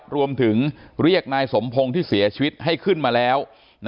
รวมถึงเรียกนายสมพงศ์ที่เสียชีวิตให้ขึ้นมาแล้ว